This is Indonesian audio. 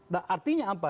nah artinya apa